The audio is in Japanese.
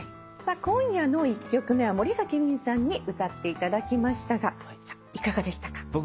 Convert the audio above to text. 今夜の１曲目は森崎ウィンさんに歌っていただきましたがいかがでしたか？